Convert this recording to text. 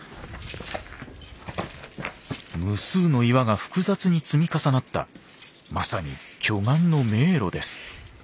無数の岩が複雑に積み重なったまさに巨岩の迷路です。